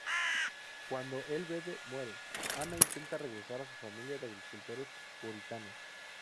Cuando el bebe muere, Anna intenta regresar a su familia de agricultores puritanos.